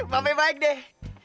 babe baik deh